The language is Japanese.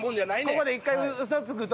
ここで１回嘘つくと。